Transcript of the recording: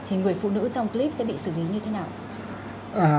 thì người phụ nữ trong clip sẽ bị xử lý như thế nào